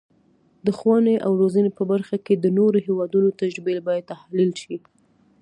د ښوونې او روزنې په برخه کې د نورو هیوادونو تجربې باید تحلیل شي.